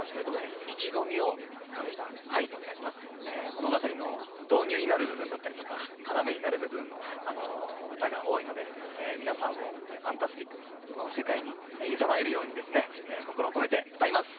物語の導入になる部分だったりとか要になる部分の歌が多いので皆さんを「ファンタスティックス」の世界にいざなえるように心を込めて歌います